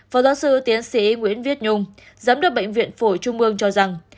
phó giáo sư tiến sĩ nguyễn viết nhung giám đốc bệnh viện phổi trung ương cho rằng